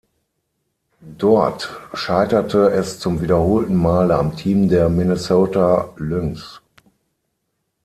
Dort scheiterte es zum wiederholten Male am Team der Minnesota Lynx.